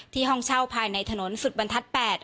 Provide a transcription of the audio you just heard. ห้องเช่าภายในถนนสุดบรรทัศน์๘